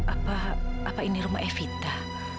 apa ini rumah evita